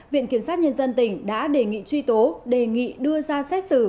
viện kiểm sát nhân dân tỉnh đã đề nghị truy tố đề nghị đưa ra xét xử